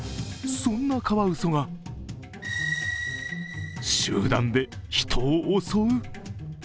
そんなカワウソが集団で人を襲う？